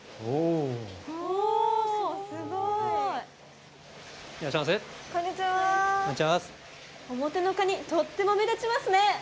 おもてのカニとってもめだちますね。